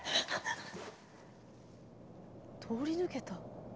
通り抜けた。